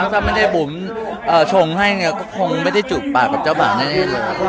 ถ้าไม่ได้บุ๋มชงให้ก็คงไม่ได้จุบปากกับเจ้าบาวแน่เลย